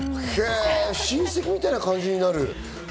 親戚みたいな感じになる！